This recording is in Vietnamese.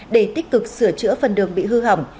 để tích cực sửa chữa phần đường bị hư hỏng